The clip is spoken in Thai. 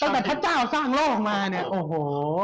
ตั้งแต่พระเจ้าสร้างโลกมาเนี่ยโอ้โห